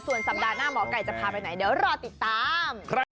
ส่วนสัปดาห์หน้าหมอไก่จะพาไปไหนเดี๋ยวรอติดตาม